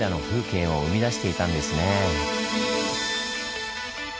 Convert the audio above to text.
景を生み出していたんですねぇ。